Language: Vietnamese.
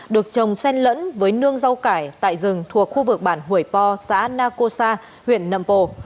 được trồng sen lẫn với nương rau cải tại rừng thuộc khu vực bản hủy po xã naco sa huyện nậm pồ